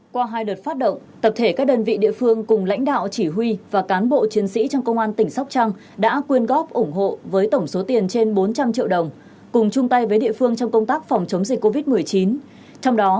qua hai đợt phát động tập thể các đơn vị địa phương cùng lãnh đạo chỉ huy và cán bộ chiến sĩ trong công an tỉnh sóc trăng đã quyên góp ủng hộ với tổng số tiền trên bốn trăm linh triệu đồng cùng chung tay với địa phương trong công tác phòng chống dịch covid một mươi chín